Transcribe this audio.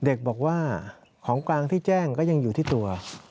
เด็กบอกว่าของกลางที่แจ้งก็ยังอยู่ที่ตัว